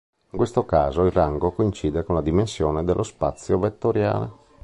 In questo caso, il rango coincide con la dimensione dello spazio vettoriale.